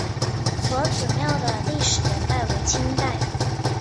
佛子庙的历史年代为清代。